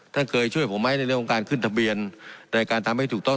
ท่านเคยช่วยผมไหมในเรื่องของการขึ้นทะเบียนในการทำให้ถูกต้อง